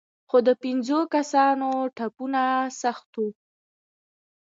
خو د پېنځو کسانو ټپونه سخت وو.